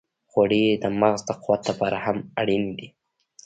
غوړې د مغز د قوت لپاره هم اړینې دي.